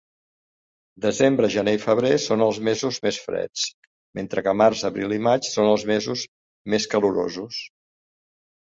Desembre, gener i febrer són els mesos més freds, mentre que març, abril i maig són els mesos més calorosos.